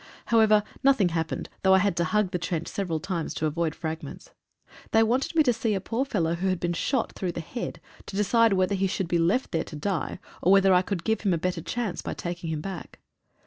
How ever, nothing happened, though I had to hug the trench several times to avoid fragments. They wanted me to see a poor fellow who had been shot through the head to decide whether he should be left there to die, or whether I could give him a better chance by taking him back.